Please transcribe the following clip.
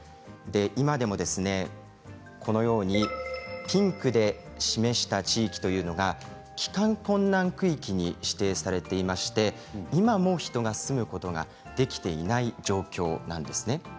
今でもこのようにピンクで示した地域というのが帰還困難区域に指定されていまして今も人が住むことができていない状況なんですね。